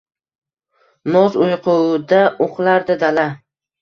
Noz uyquda uxlardi dala.